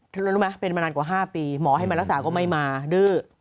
รู้ไหมเป็นมานานกว่า๕ปีหมอให้มารักษาก็ไม่มาดื้อ